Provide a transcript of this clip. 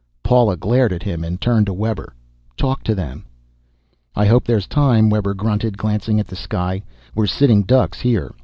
Paula glared at him and turned to Webber. "Talk to them." "I hope there's time," Webber grunted, glancing at the sky. "We're sitting ducks here.